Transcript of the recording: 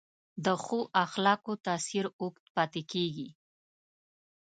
د ښو اخلاقو تاثیر اوږد پاتې کېږي.